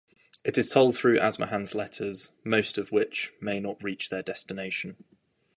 It is told through Asmahan's letters, most of which may not reach their destination.